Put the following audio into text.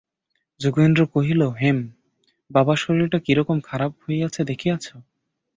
যোগেন্দ্র কহিল, হেম, বাবার শরীরটা কিরকম খারাপ হইয়াছে দেখিয়াছ?